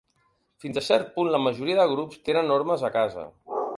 Fins a cert punt la majoria de grups tenen normes a casa.